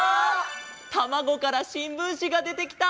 たまごからしんぶんしがでてきた！